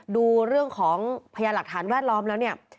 ดูเรื่องของพยานหลักฐานแวดล้อมแล้วเนี่ย